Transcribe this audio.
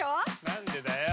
何でだよ。